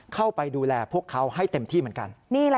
เข้าไปดูแลพวกเขาให้เต็มที่เหมือนกัน